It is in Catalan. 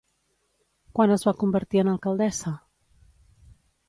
Quan es va convertir en alcaldessa?